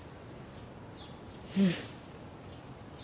うん。